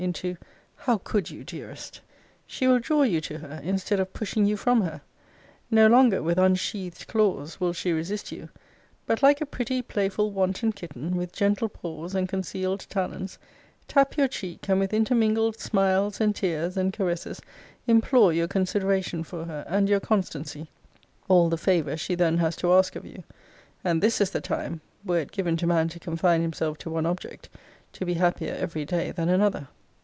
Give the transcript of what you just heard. into how could you, dearest! She will draw you to her, instead of pushing you from her: no longer, with unsheathed claws, will she resist you; but, like a pretty, playful, wanton kitten, with gentle paws, and concealed talons, tap your cheek, and with intermingled smiles, and tears, and caresses, implore your consideration for her, and your constancy: all the favour she then has to ask of you! And this is the time, were it given to man to confine himself to one object, to be happier every day than another.